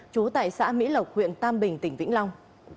trú tại xã mỹ lộc huyện tam bình tỉnh vĩnh long